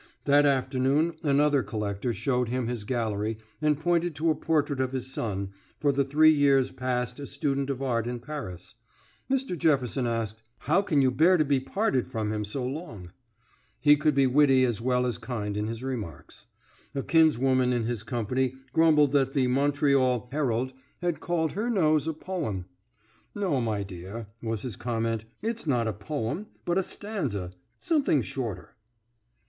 That afternoon another collector showed him his gallery and pointed to a portrait of his son, for the three years past a student of art in Paris. Mr. Jefferson asked: "How can you bear to be parted from him so long?" He could be witty as well as kind in his remarks. A kinswoman in his company grumbled that the Montreal Herald had called her nose a poem. "No, my dear," was his comment, "it's not a poem, but a stanza, something shorter."